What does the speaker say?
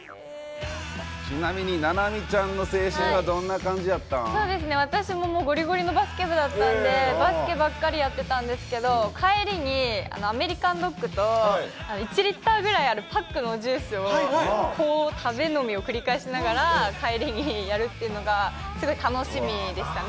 ちなみに菜波ちゃんの青春はそうですね、私もごりごりのバスケ部だったんで、バスケばっかりやってたんですけど、帰りにアメリカンドッグと１リッターぐらいあるパックのジュースを、食べ飲みを繰り返しながら、帰りにやるっていうのが、すごい楽しみでしたね。